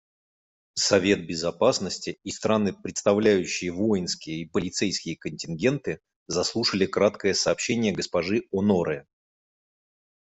Совет Безопасности и страны, предоставляющие воинские и полицейские контингенты, заслушали краткое сообщение госпожи Оноре.